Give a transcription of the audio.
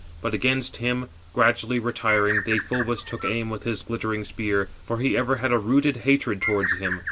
But against him, gradually retiring, Deïphobus took aim with his glittering spear, for he ever had a rooted hatred towards him.